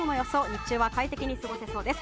日中は快適に過ごせそうです。